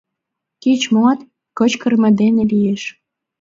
— Кеч-моат кычкырыме дене лиеш.